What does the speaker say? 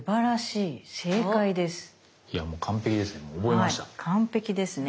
いやもう完璧ですね。